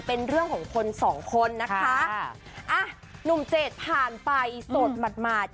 เป็นเรื่องของคนสองคนนะคะอ่ะหนุ่มเจดผ่านไปโสดหมาด